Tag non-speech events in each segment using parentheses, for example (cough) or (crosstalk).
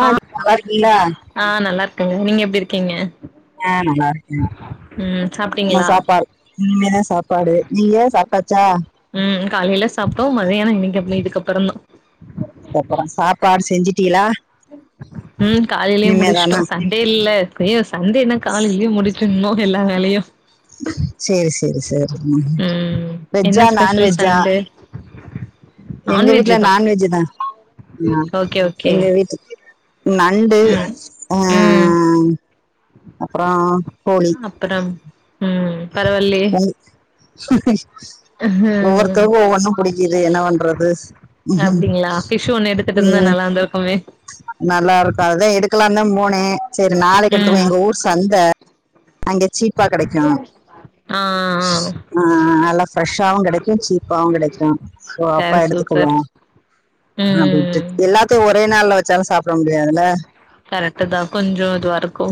ஆ நல்லாருக்கிலா ஆ நல்லா இருக்கங்க நீங்க எப்டி இருக்கீங்க ஆ நல்லா இருக்கே ம் இன்ன சாப்ட்டீங்களா சாப்பாடு இனிமேதா சாப்பாடு நீங்க சாப்ட்டாச்சா ம் காலையில சாப்ட்டோ மதியானொ இன்னக்கி (unintelligible) இதுக்கப்பறந்தா அப்பறொ சாப்பாடு செஞ்சுட்டீயளா ம் காலயிலே முடுச்ட்டோ சாயி இல்ல செய்வே சண்டேனா காலய்லயே முடுச்சுட்னு எல்லா வேலையு சேரி சேரி சேரி மா ம் என்ன வெஜ்ஜா ஸ்பெஷல் நான்வெஜ்ஜா சண்டே எங்க நான்வெஜ் வீட்ல தா நான்வெஜ்ஜு தா ஓகே ஓகே எங்க வீட்டு நண்டு ம் அ ம் அப்பறொ கோழி அப்பறம் ம் பரவால்லெயே (unintelligible) ஒவ்வொருத்தர்க்கு ஒவ்வொன்னு புடிக்கிது என்ன வண்றது ம் அவெ நல்லா இருக்கு அதா எடுக்கலான்ந்தா போனே செரி நாளக்கி எடுத்துக்குவொ ம் எங்க ஊர் சந்த அங்கெ சீப்பா கெடைக்கு ஆ ஆ நல்லா ஃப்ரெஷ்ஷாவு கெடைக்கு சீப்பாவு கெடைக்கு சோ ஆ அப்ப எடுத்துக்குவோ சூப்பர் அப்டின்ட்டு ம் எல்லாத்தையு ஒரே நாள்ல வச்சாலு சாப்ட முடியாதுல கரெட்டு தா கொஞ்சொ இதுவா இருக்கு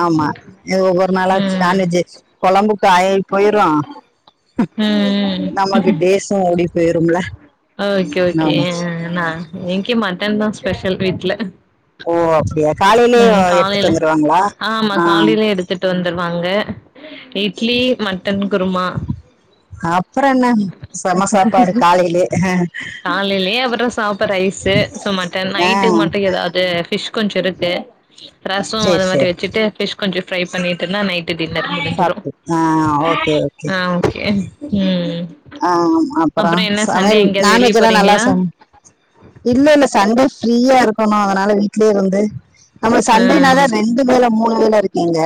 ஆமா இது ஒவ்வொரு நாளா ம் நான்வெஜ்ஜு கொழம்புக்கு ஆயி போயிரு ம் நமக்கு டேஸு ஓடி போயிரும்ல அ ஓகே என்ன ஓகே பண்ணுச்சு? அ ந இங்கெ மட்டன் தா ஸ்பெஷல் வீட்டு்ல ஓ அப்டியா காலைலியே எடுத்துட்டு வந்துருவாங்களா ஆ எட்த்துட்டு வந்துருவாங்க இட்லி மட்டன் குருமா அப்புறம் என்ன செம சாப்பாடு காலையிலே காலைலே அப்பறொ சாப் இப்ப ரைஸு சோ மட்டன் ஆ நைட்டுக்கு மட்டு ஏதாவ்து ஃபிஷ் கொஞ்சொ இருக்கு ரசொ சரி அது மாரி சரி வச்சுட்டு ஃபிஷ் கொஞ்சொ ஃப்ரை பண்ணிட்டொன்னா நைட் டு டின்னர் முடுஞ்சிடு சாப்பிட்டு ஆ ஓகே ஓகே ஆ ஓகே ம் ஆ அப்பறோ அப்றோ என்ன சண்டே சமையல் எங்கேயாவது வெளிய நான்வெஜ்லா நல்லா போறீங்களா சமை இல்ல இல்ல சண்டே ஃப்ரீயா இருக்கணு அதுனால வீட்லே வந்து நம்ம சண்டேனால ம் ரெண்டு வேல மூனு வேல இருக்கேங்க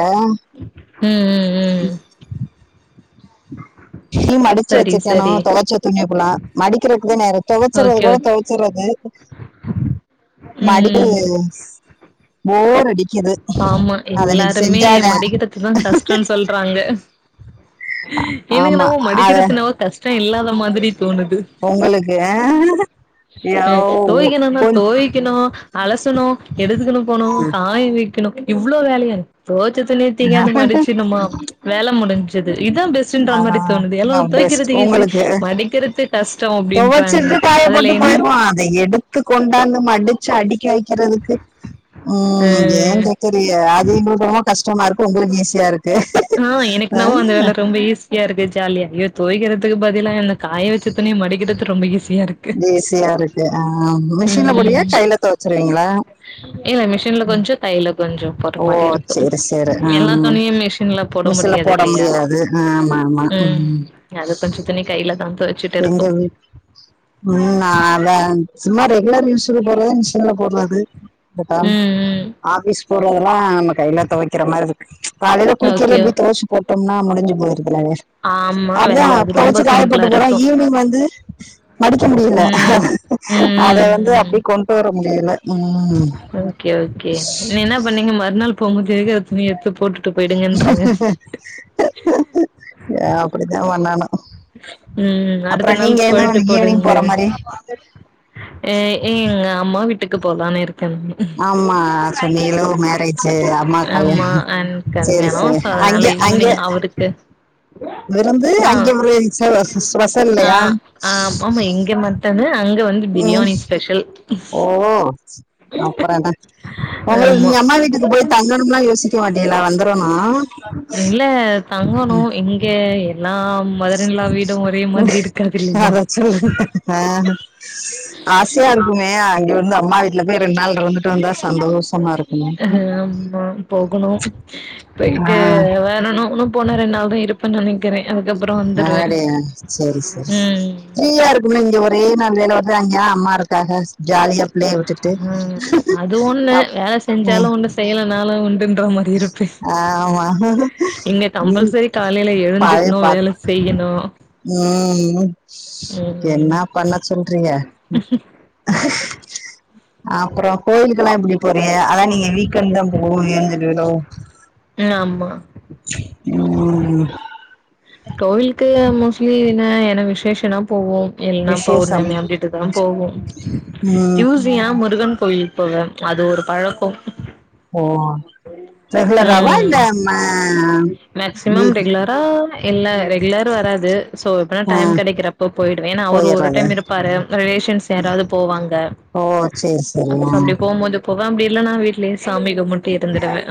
ம் ம் ம் துணி மடுச்சு சரி வச்சுக்கணு சரி தொவச்ச துணிய ஃபுல்லா மடிக்குரக்குத நேரொ தொவைச்சறது ஓகே கூட ஓகே தொவச்சுறது கொட தொவச்சுறது (inaudible) மடிகு ம் ஸ் போர் அடி கிது ஆமா அத அன்னைக்கு எல்லாருமே செஞ்சாதா மடிக்கிறதுதா கஷ்டோன்னு சொல்றாங்க எனக்கு ஆமா என்னாவோ அத மடிக்கிறது என்னாவோ கஷ் டோ இல்லாத மாதிரி தோணுது உங்களுக்கு ஐயோ, அ தோய்க்கனுனா கொஞ்~ தோய்க்கணு அலசணு எடுத்துக்குணு போணு காய வைக்கணு இவ்ளோ வேலையா தோச்சத்துணிய தூக்கியாந்து மடிச்சுனுமா வேல முடிஞ்சது இதா பெஸ் டுன்ற மாரி தோணுது எல்லா ஆ பெஸ்ட் தொவைக்கிறது ஈசி உங்களுக்கு மடிக்கிறது கஷ்டோ அப்டின்றாங்க அதுல காயப்போட்டு என்ன போயிடுவோ அத எடுத்து கொண்டாந்து மடிச்சு அடுக்கி வைக்கிறதுக்கு ம் ஏ அ கேக் தெரிய அது எங்களுக் என்னமோ ரொம்ப கஷ்டமா இருக்கு உங்களுக் ஈஸியா இருக்கு ஆ எனக் என்னவோ அந்த வேல ரொம்ப ஈஸ் சியா இருக்கு ஜாலியா இத தொவக்கிறதுக்கு பதிலா என்ன காய வச்சு துணிய மடிக்கிறது ரொம்ப ஈஸியா இருக் ஈஸியா இருக்கு ஆ மிஷின்ல ம் போடியா கையில தொவச்சுருவிங்களா இல்ல மிஷின்ல கொஞ்சோ கையில கொஞ்சோ போடுற ஓ மாரி இருக்கு சரி சரி எல்லா ஆஹ் துணியு மிஷின்ல போட மிஷின்ல முடியாது போட இல்லயா முடியாது ஆமா ஆமா ம் அது கொஞ்சோ துணி கைல தா துவச்சிட்டு எங்க இருக்கோ ம் ம் அதா சும்மா ரெகுலர் யூஸ் போறது மிஷன்ல போட்ரது (unintelligible) ம் ம் ஆபீஸ் போடுறதெல்லா நம்ம கைல தொவைக்கிற மாரி இருக் காலைல குளிக்கையில ஓகே இப்டி தொவச்சு போட்டோம்னா முடிஞ்சு போயிருதுலங்க ஆமா அதா வேல அது ரொம்ப துவச்சு காய சிம்பிளா போட்டு போனா இருக்கு ஈவினிங் வந்து மடிக்க முடியல ம் ம் அத ம் வந்து ம் அப்டி கொண் டு வர முடியல உம் ஓகே ஓகே நீ என்ன பண்ணீங்க மறுநாள் போம்போது இருக்க துணி எடுத்து போட்டுட்டு போய் ஏ அப்படித்தா பண்ணானு ம் அடுத்த நாள் என்ன கொயட்டு ஈவினிங் போடுங்க போற மாதிரி ஏ எங்க அம்மா வீட்டுக்கு போலானு இருக்கேனுங்க ஆமா சொன் நீ லவ் மேரேஜு அம்மா ஆமா கல்யாண் அண் சரி ச கல்யாணோ சோ அங்க அதனால அங்க ஈவினிங் அவருக்கு விருந்து ஆ அங்க ஒரு ஆ ஆ ஆமா இங்க மட்டனு அங்க வந்து உம் பிரியாணி ஸ்பெஷல் ஓ அப்புறோ என்ன உங்களுக் ஆமா நீங்க அம்மா வீட்டுக்கு போயி தங்கணும்லா யோசிக்க மாட்டிளா வந்துரனு இல்ல தங்கணு இங்க எல்லாம் மதர் இன் லா வீடோ ஒரே மாதிரி இருக்காது இல்லயா சொல் ஆ ஆசையா இருக்குமே அங்க வந்து அம்மா வீட்டுல போய் ரெண்டு நாள்ல இருந்துட்டு வந்தா சந்தோஷமா இருக் ஹ ஆமா போகணும் ஆ போயிட்டு வரனுனு போனா ரெண்டு நாள் தா இருப்பேன் நெனைக்கிறே அதுக்கப்புறோ வந்துருவே அடயா சரி சரி ம் ஃப்ரீயா இருக்குமே இங்க ஒரே நாள் வேலை வர்ற அங்கயா அம்மா இருக்காக ஜாலியா பிள்ளைய விட்டுட்டு அ அது ஒன்னு அப் வேல செஞ்சாலு ம் ஒன்னு செய்யலைனாலு உண்டுன்ற மார் இருப்பே ஆமா இங்க ம் கம்பல்சரி காலைல பழைய எழுந்துக்னு பாட் வேல செய்யணு ம் என்ன ம் பண்ண சொல்றீய அப்றோ கோயிலுக்கெல்லா எப்டி போறீய அதா நீங்க வீக்கெண்ட் தா போவென் சொல்லுவியலோ ம் ஆமா (unintelligible) கோவிலுக்கு மோஸ்லி என்ன ஏன்ன விசேஷன்ன போவோம் இல்ன்னா விசேஷம் பௌர்ணமி அப்படிட்டுதா போகு ம் டியூஸ் டே அ முருகன் கோவில்க்கு போவேன் அது ஒரு பழக்கம் ஓ செகுலராவா இல்ல ம் ம அ ம் இல்ல ரெகுலர் வராது சோ நா ஆ டைம் கெடைக்கிறப்ப போயிடுவே என்னா அவரு ஒரு போயிர்றது டைம் இருப்பாரு ரிலேஷன்ஸ் யாராவ்து போவாங்க சேர் செரிம்மா போவ அப்டி இல்ல நா வீட்லே சாமி கும்முட்டு இருந்துடுவே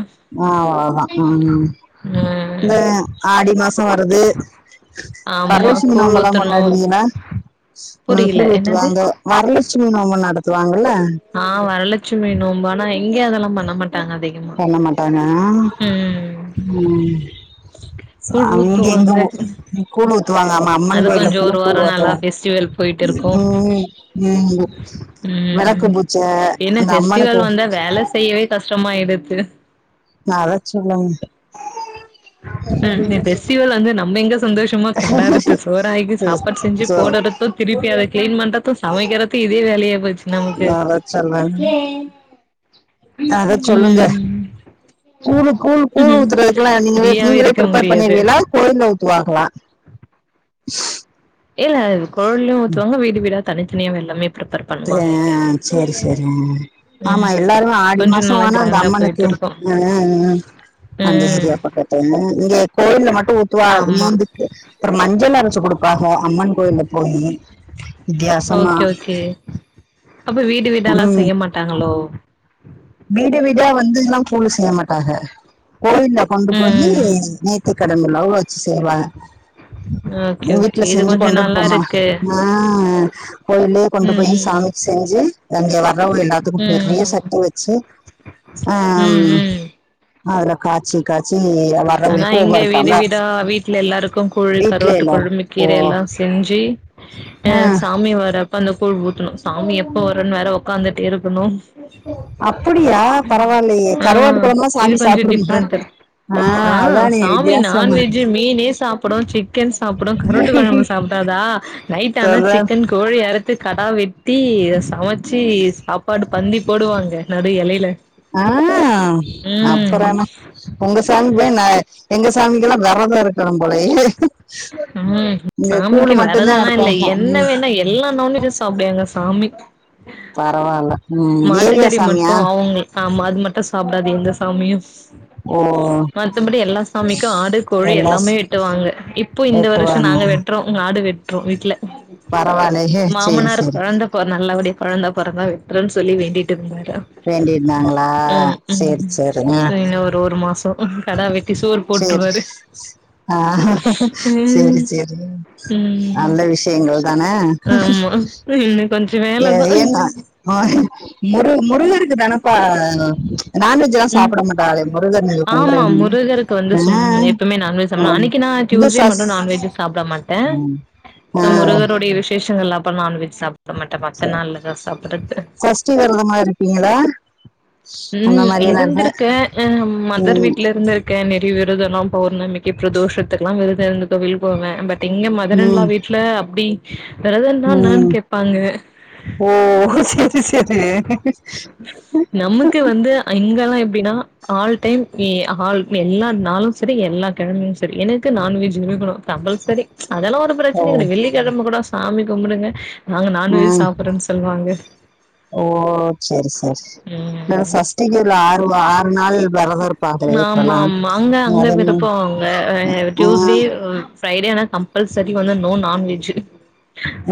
ஆ அவ்ளோதா அ ம் இந்த ம் ஆடி மாசோ வருது ஆமா வர்லட்சுமி கூழ் நோம்பல்லா ஊத்தணு கொண்டாடுவிங்கள ம் புரியல கூழு என்னது ஊத்துவாங்க வரலட்சுமி நோம்பு நடத்துவாங்கல்ல ஆ வரலஷ்மி நோம்பானா இங்கே அதெல்லாம் பண்ண மாட்டாங்க அதே பண்ணமாட்டாங்க அ ம் ச கூழ் அங்கே இங்கு ஊத்துவாங்க கூழு ஊத்துவாங்க அம்மா அம்மன் அது கோயில்ல கொஞ்சோ கூ ஒரு வாரோ ழு நல்லா ஊத்துவாங் ஃபெஸ்டிவல் போயிட்டு இருக்கு உம் உம் வெளக்கு ம் பூச்ஜ என்ன அந்த அம்மனுக் ஃபெஸ்டிவல் வந்தா வேல செய்யவே கஷ்டமாயிடுத்து அதச் சொல்லுங்க பெஸ்ஸீவல் வந்து நம்ம எங்க சந்தோஷம்மா கொண்டாற்றது சோறாக்கி சாப்பாட் செஞ்சு சோ போடற்றத்து திருப்பி அத கிலின்பண்றத்து சமைக்காரத்தி இதே வேலையா போ வரச் சொல்றே அதச் சொல்லுங்க ம் கூழு கூழ் கூழ் ஊத்துறதுக் குல்லா நீங்கள ஃப்ரீயாவே நீங்களே இருக்க பிரப்பேர் முடியாது பண்ணிருவில்லா கோயில்ல ஊத்துவாகலா இல்ல கோவில்லியு ஊத்துவாங்க வீடு வீடா தனித்தனியா எல்லாமே ப்ரிப்பேர் ஆ பண்ணுவாங்க இங்க சேரி சேரி அ ஆம்மா ம் எல்லாரு ஆடி கொஞ்சோ மாசொ நல்லா அங்க கிராண்டா அம்மனுக்கு போயிட்டு இருக்கு ஹ ஹ அந்த ஏரியா ம் பக்கத்து இங்க கோயில்ல மட்டு ஊத்துவா ஆமா நேந்துக்கு அப்ர மஞ்சள் அரைச்சு குடுப்பாக அம்மன் கோயில்ல போயி வித்தியாசமா ஓக்கே ஓக்கே அப்ப வீடு வீடல்லா செய்ய மாட்டாங்களோ வீடு வீடா வந்துல்லா கூலு செய்ய மாட்டாக கோவில்ல கொண்டு போயி ம் நேத்தி கடன் உள்ளவுக வச்சுர்வா ஓகே மு வீட்ல ஓகே இது செஞ்சு கொஞ்சோ கொண்டுட்டு நல்லா போம்மா இருக்கு அ கோயில்லே ம் கொண்டு போய் ம் சாமிக் செஞ்சு அங்கே வரவுல்எல்லாத் துக்கு பெரிய ம் சட்டி வெச்சு அம் ம் ம் அதுல காச்சி காச்சி வ அனா இங்க வீடு வீடா வீட்ல எல்லாருக்குள் கூழு வீட்ல கரோட்டு எல்லாரும் கொழும்பு ஓ கீர எல்லா செஞ்சி அ ஆ, சாமி வரப்ப அந்த கூழ் ஊத்துணு சாமி எப்போ வரன்னு வேற உக்காந்துட்டே இருக்கணு அப்படியா பரவாயில்லையே அ கருவாட்டு குழம்புலாம் இது சாமி கொஞ்சோ சாப்பிடுமா டிஃப்ரெண்ட் ஆ ஆஹ் அதானே சாமி வித்தியாசமா நான்வெஜ்ஜு மீனே சாப்புடு சிக்கென் சாப்புடு கருட்டு கொழம்பு சாப்புடாதா நைட் ஆனா இருக்கு சிக்கன் கோழி எரத் த்து கடா வெட்டி சமச்சு சாப்பாடு பந்தி போடுவாங்க நடு எலையில ஆ ம் அப்புறான உங்க சாமி போய் நா எங்க சாமிக்கெல்லா வெரதோ இருக்கணு போலயே சரி ம் இங்க கூழ் சாமிக்கு மட்டும்தான் வெரதெல்லா இல்ல எடுப்பாங்க ம், என்னவேணு எல்லா நான்வெஜ் சாப்பு எங்க சாமி பரவாயில்ல ம் ஏரியா மாட்டுக்கறி சாமியா மட்டு அவங்க ஆமா அது மட்டு சாப்டாது எந்த சாமியு ஓ மத்தபடி எல்லா சாமிக்கு ஆடு கோழி எல்லாம் எல்லாமே ஸ்- வெட்டுவாங்க இப் இப்போ இந்த வறுஷோ வெட்டுவாங்க நாங்க வெட்டுறோ ஆடு வெட்டுறோ வீட்ல பரவாயில்லையே சரி மாமனார் சரி குழந்த நல்லபடிய கொழந்தா பொறந்த வெட்றுன்னு சொல்லி வேண்டிட்டு இருந்தார வேண்டிருந்தாங்களா செரி செரிங்க டோ ஒரு மாசோ கடா வெ செரி ஆ செரி ம் செரி ம் நல்ல விஷயங்கள் தானே ஆமா இன்னு கொஞ்ச வேலதா என்ன முரு முருகருக்கு தானேப்பா நான் வே வேஜ்ல்லா ம் சாப்ட மாட்டாகளே முருகர் நீங்க கும்பறே ஆமா முருகருக்கு வந்து னு ஆ இந்த டுயூஸ்டே சஸ் மட்டு நான்வெஜ் சாப்ட மாட்ட ம் ஆ சோ முருகருடைய விசேஷங்கள் அப் அப்போ நான்வெஜ் சாப்ட மாட்டன் மத்த நாள்லதான் சாப்பிடறது ஃபஸ்ட் வெரதமா இருப்பீங்களா ம் அந்த ஹ் மாரியெல்லா இல்ல இருந்திருக்க மதர் ம் வீட்ல இருந்துருக் க்க நெறிய விரதோ எல்லா பௌர்ணமிக்கு பிரதோஷத்துக்கு எல்லா விரதோ இருந்து கோவில் போவ இங்க மதர் இன் லா ம் வீட்ல அப்டி விரதோனா ம் என்னானு கேப்பாங்க ஓ சேரி சேரி இங்கல்லா எப்டின்னா ஆல் டைம் ஆல் எல்லா நாளு செரி எல்லா கெழமையு செரி எனக்கு நான்வெஜ் இருக்கனோ கம்பல்செரி அதெல்லா ஒரு ஓ பிரச்சன இல்ல வெள்ளிக்கிழம கூட சாமி கும்பிடுங்க நாங்க ம் நான்வெஜ் சாப்புட்றோன்னு சொல்லுவாங்க ஓ செரி செரி ம் சஷ்டிகில ஆறு ஆறு நாள் வெரதோ இருப்பங்களே இப்பல்லா அதன டூயுஸ்டே ஃப்ரைடே அனா கம்பல்சரி வந்து நோ நான்வெஜ்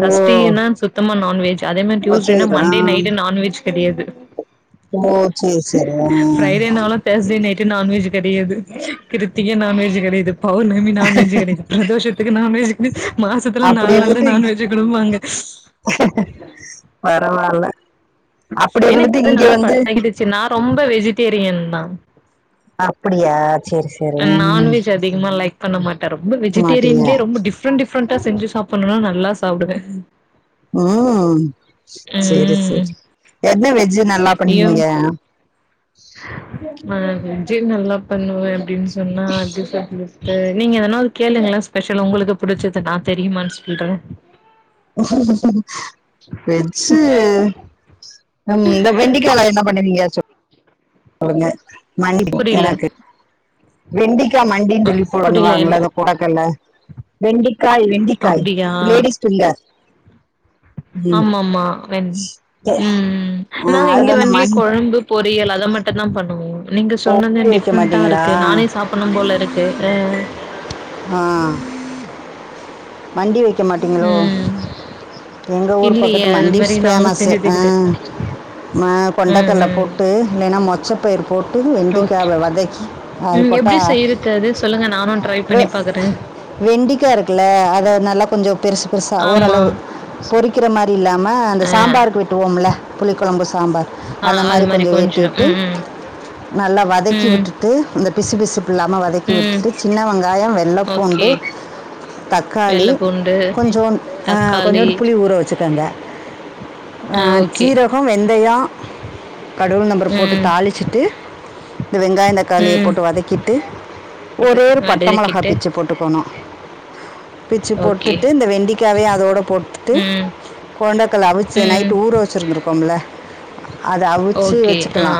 ஓ சுத்தமா நான்வெஜ் அதே மாரி ஓ டுயுஸ்டே சேரி மண் ஆ நான்வெஜ் கெடையாது ஓ சேரி சேரி ஆ ஃப்ரைடேனாலு தெர்ஸ்டே நைட்டு நான்வெஜ் கெடையாது கிருத்திக நான் வெஜ் கெடையாது பௌர்ணமி நான் வெஜ் கெடையாது பிரதோஷத்துக்கு நான்வெஜ் மாசத்துல அப்டி நாலு நாள் தா இருந்துட்டு நான் வெஜ்ஜே குடுப்பாங்க பரவால்ல அப்டி இருந்துட்டு இங்க வந்து நான் ரொம்ப வெஜிடேரியன் தான் அப்டியா சேரி சேரி ம் நான்வஜ் அதிகம லைக் பண்ண மாட்டேன் ரொம்ப வெஜிடேரியன்ல மாட்டியா ரொம்ப டிஃப் டிஃப்ரெண்ட் டிஃப்ரண்டா செஞ்ச சாப்டணுனா நல்லா சாப்டுவேன் ம் செரி ம் செரி என் வெஜ்ஜு நல்லா ஐயோ பண்ணுவீங்க ஆ வெஜ் நல்லா பண்ணுவேன் அப்டின்னு சொன்னா எப்டி சொல்ரது நீங்க எதனாவது கேளுங்களா ஸ்பெஷல் உங்களுக்கு புடிச்சது நான் தெரியுமனு சொல்றேன் வெஜ்ஜு ம் இந்த வெண்டிக்கல என்ன பண்ணிருகிங்கா சொல் சொல்லங்க மண்டி புரியல எனக்கு வெண்டிக்காய் மண்டின்னு சொல்லி போ புரியல ஒண்ணுவாங்கள என்ன அது கொடக்கல்ல வெண்டிக்காய் வெண்டிக்காய் அப்டியா லேடிஸ் பிங்கர் ஆமாமா வேண் ம் ஆ நாங்க இங்க அதுல அந்த வெண்ட்லி மண் கொழம்பு பொரியல் அத மட்டும் தான் பண்ணுவோம் நீங்க சொன்னத மண்டி வைக்க டிஃப்ரெண்டா மாட்டீங்களா இருக்கு நானே சாப்ப பனும் போல இருக்கு ஆ ஆ மண்டி வைக்க மாட்டீங்ளோ ம் எங்கள் ஊர் இல்லியே பக்கட்டு அது மண்டிஸ் மாரி நாங்க ஃபேமஸ் செஞ்சது கெடையாது அ ம் கொண்டக்கல்ல போ ம் ட்டு இல்லனே மொச்சப் பயிர் போட்டு ஓகே வெண்டிக்காவ வதக்கி அது ம் போட்டா எப்டி செய்யறது அது சொல்லுங்க நானு ட்ரை வெ பண்ணி பாக்குறே வெண்டிக்கா இருக்குல்ல அத நல்லா கொஞ்சோ பெருசு பெருசா ஆமா ஓரளவு பொரிக் வைக்கிற மாரி இல்லாம அந்த ஆ சாம்பாருக்கு வெட்டுவோம்ல புளிக்கொழம்பு சாம்பார் ஆ அந்த அது மாதிரி மாரி கொஞ்சோ வெட்டி ம் ம் நல்லா வதக்கி ம் விட்டுட்டு இந்த பிசு பிசுப்பு இல்லாம வதக்கி ம் விட்டுட்டு சின்ன வெங்காயோ வெள்ள பூண்டு ஓகே தக்காளி வெள்ள பூண்டு கொஞ்சோ அ தக்காளி கொஞ்சோண்டு புளி ஊற வச்சுக்கங்க ஆ ஓகே சீரகோ வெந்தயோ கடுகு உளுத்தம்பருப்பு போட்டு ம் தாளிச்சுட்டு இந்த வெங்காய தக்காளிய ம் போட்டு வதக்கிட்டு ஒரே போட்டுக் ஒரு பட்டமொளகா வதக்கிட்டு போட்டுக்கணு பிச்சு ஓகே போட்டுட்டு இந்த வெண்டிக்காவயு அதோட போட்டுட்டு ம் கொண்டக்கல்ல அவிச்சு ம் நைட் ஊர் வச்சிருந்திருக்கோம்ல அத அவிச்சு ஓகே ஆ வச்சுக்கலா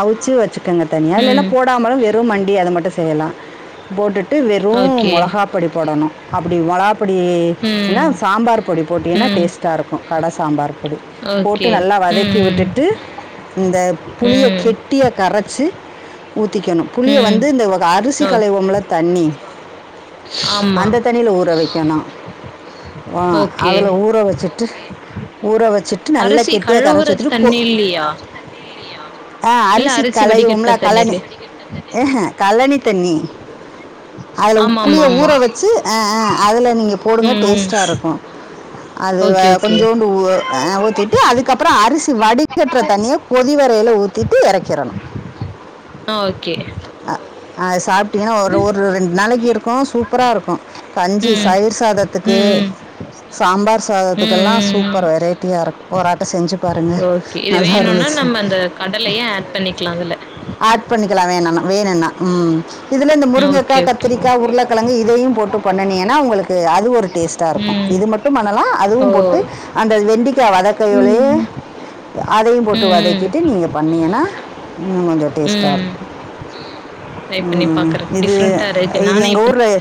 அவிச்சு வச்சுக்கோங்க தனியா இல்லனா ம் போடாமலு வெறு மண்டி அத மட்டு செய்யலா போட்டு ட்டு வெறு ஓகே மொளகாப்படி போடணு அப்டி மொளகாப்படி இன்னா ம் சாம்பார் பொடி போட்டீன்னா ம் டேஸ்ட்டா இருக்கு கட சாம்பார் பொடி போட்டு ஓகே நல்லா வதக்கி ம் விட்டுட்டு இந்த புளிய ம் கெ டியா கரைச்சி ஊத்திக்கணு புளிய ம் வந்து இந்த அரிசி ஓ கலைவோம்ல தண்ணி ஆமா அந்த தண்ணியில்ல ஊற வைக்கணு அ ஓகே அதுல ஊற வச்சுட்டு ஊற வச் ட்டு நல்லா அரிசி கெட்டியா கழுவுற கரைச்சூத்துட்டு தண்ணி இல்லியா அ இல்ல அரிசி கலைவோம்லோ வடிகட்ன கலனி தண்ணிலே இஹிம் கலனி தண்ணி அதுல்ல ஆமா ஆமா புளிய ஊற ஆமா வச்சு அதுல நீங்க போடுங்க ம் டேஸ்ட்டா இருக்கு அது ஓகே ஓகே கொஞ்சோண்டு ஊஅ ஊத்திட்டு அதுக்கப்றோ அரிசி வடிகட்ற தண்ணிய கொதிவரையில ஊத்திட்டு எறக்கிற்ணு ஓகே அ சாப்ட்டிங்ன்னா ஒரு ஒரு ரெண்டு நாளைக்கு இருக்கு சூப்பரா இருக்கு கஞ்சி ம் சயிர் சாதத்துக்கு ம் ம் சாம்பார் ம் சாதத்துக்கெல்லா ம் ம் சூப்பர் வெரைட்டியா இரு ஒரு ஆட்டோ செஞ்சு பாருங்க ஓகே இது வேணுனா நம்ம அந்த கடலையே ஆட் பண்ணிக்லா அதுல ஆட் பண்ணிக்கலா வேணுனா வேணுனா ம் இதில்ல இந்த முருங்கக்கா ஓகே ஓகே கத்திரிக்கா உருளைக்கெழங்கு இதையு போட்டு பண்ணிங்கன்னா உங்களுக்கு அது ஒரு டேஸ்ட்டா இருக்கு ம் இது மட்டு பண்ணலா அதுவு ஓ போட்டு அந்த வெண்டிக்கா வதங் ம் ம் அதையு போட்டு ம் வதக்கிட்டு நீங்க பண்ணீங்கன்னா இன்னு கொஞ்சோ டேஸ்டா ம் இருக்கு ட்ரை பண்ணி ம் பாக்குறே இது டிஃப்ரெண்டா இருக்கு இது நானே எங்க இப்ப ஊர்ல